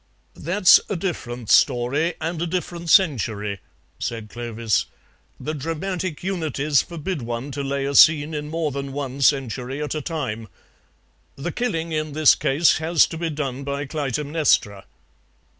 "That's a different story and a different century," said Clovis; "the dramatic unities forbid one to lay a scene in more than one century at a time. The killing in this case has to be done by Clytemnestra."